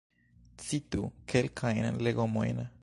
Citu kelkajn legomojn?